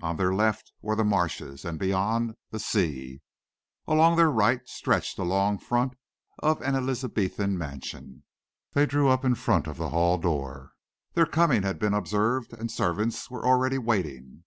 On their left were the marshes, and beyond, the sea. Along their right stretched the long front of an Elizabethan mansion. They drew up in front of the hall door. Their coming had been observed, and servants were already waiting.